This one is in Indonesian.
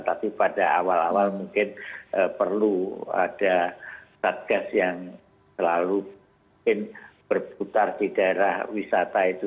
tapi pada awal awal mungkin perlu ada satgas yang selalu mungkin berputar di daerah wisata itu